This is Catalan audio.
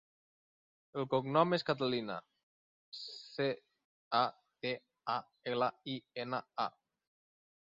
El cognom és Catalina: ce, a, te, a, ela, i, ena, a.